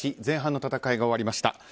前半の戦いが終わりました。